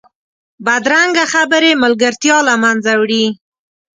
بدرنګه خبرې ملګرتیا له منځه وړي